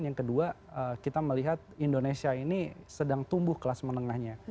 yang kedua kita melihat indonesia ini sedang tumbuh kelas menengahnya